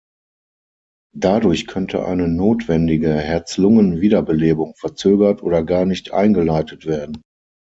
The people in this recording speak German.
Dadurch könnte eine notwendige Herz-Lungen-Wiederbelebung verzögert oder gar nicht eingeleitet werden.